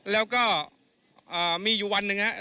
แล้วก็มีอยู่วันหนึ่งครับ